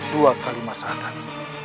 dua kalimat sadar